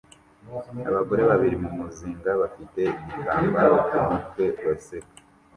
Abagore babiri mumuzinga bafite igitambaro kumutwe baseka